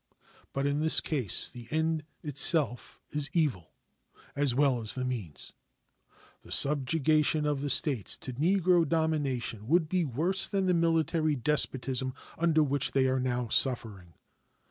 But in this case the end itself is evil, as well as the means. The subjugation of the States to Negro domination would be worse than the military despotism under which they are now suffering.